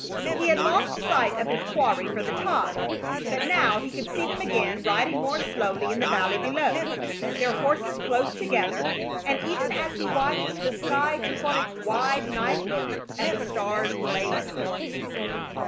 He had lost sight of his quarry for the time, but now he could see them again riding more slowly in the valley below, their horses close together, and even as he watched the sky took on its wide night look and the stars blazed forth.